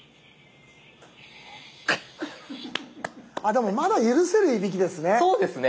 でもまだ許せるいびきですね。